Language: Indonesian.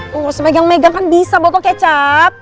lo harus megang megang kan bisa bawa kecap